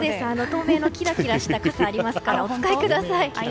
透明のキラキラした傘がありますからお使いください。